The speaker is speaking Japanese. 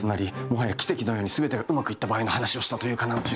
もはや奇跡のように全てがうまくいった場合の話をしたというか何というか。